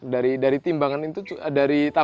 dari tabungan itu cukup lumayan sebenarnya